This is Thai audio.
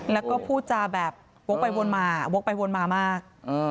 แล้วก็พูดจาแบบวกไปวนมาวกไปวนมามาก